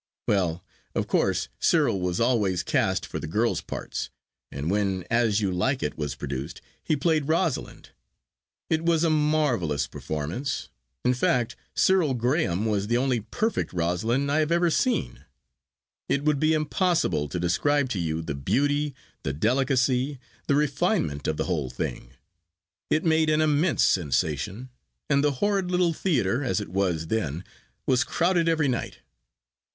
Well, of course, Cyril was always cast for the girls' parts, and when As You Like It was produced he played Rosalind. It was a marvellous performance. In fact, Cyril Graham was the only perfect Rosalind I have ever seen. It would be impossible to describe to you the beauty, the delicacy, the refinement of the whole thing. It made an immense sensation, and the horrid little theatre, as it was then, was crowded every night.